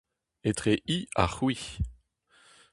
Etre hi ha c'hwi.